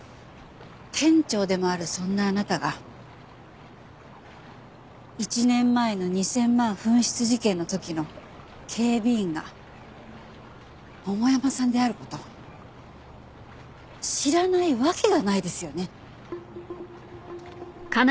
店長でもあるそんなあなたが１年前の２０００万紛失事件の時の警備員が桃山さんである事を知らないわけがないですよね。